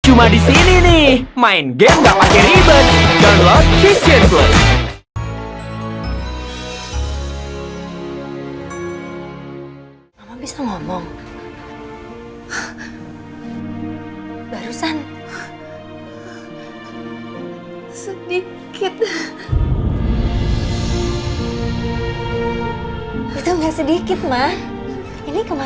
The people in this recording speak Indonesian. cuma di sini nih main game gak pake ribet